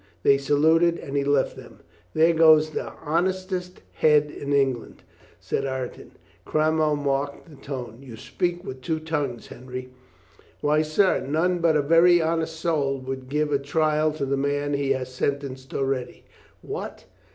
They saluted and he left them. "There goes the honestest head in England," said Ireton. Cromwell marked the tone. "You speak with two tongues, Henry." "Why, sir, none but a. very honest soul would give a trial to the man he has sentenced already." "What!